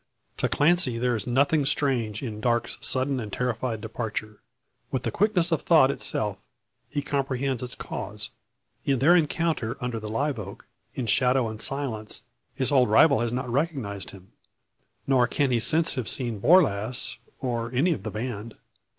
To Clancy there is nothing strange in Darke's sudden and terrified departure. With the quickness of thought itself, he comprehends its cause. In their encounter under the live oak, in shadow and silence, his old rival has not recognised him. Nor can he since have seen Borlasse, or any of the band.